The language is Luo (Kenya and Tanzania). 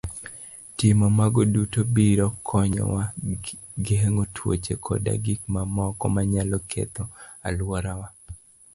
Timo mago duto biro konyowa geng'o tuoche koda gik mamoko manyalo ketho alworawa.